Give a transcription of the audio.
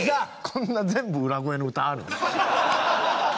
こんな全部裏声の歌あるん？